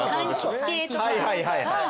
はいはいはいはい。